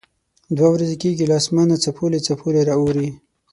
دوه ورځې کېږي له اسمانه څپولی څپولی را اوري.